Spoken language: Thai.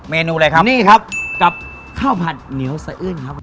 เมนูอะไรครับนี่ครับกับข้าวผัดเหนียวสะอื้นครับผม